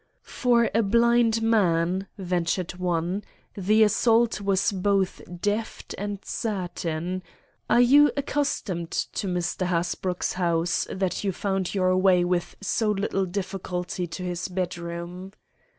"For a blind man," ventured one, "the assault was both deft and certain. Are you accustomed to Mr. Hasbrouck's house, that you found your way with so little difficulty to his bedroom?"